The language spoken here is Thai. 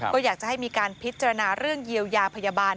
ก็อยากจะให้มีการพิจารณาเรื่องเยียวยาพยาบาล